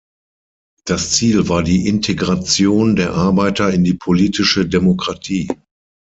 Das Ziel war die Integration der Arbeiter in die politische Demokratie.